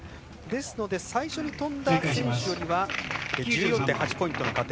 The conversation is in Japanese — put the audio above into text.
ですので最初に飛んだ選手よりは１４．８ポイントの加点。